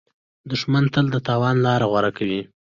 دښمن تل د تاوان لاره غوره کوي